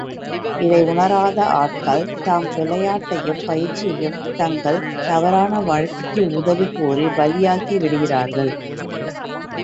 இதை உணராத ஆட்கள் தாம் விளையாட்டையும் பயிற்சியையும் தங்கள் தவறான வாழ்க்கைக்கு உதவி கோரி, பலியாக்கி விடுகிறார்கள்.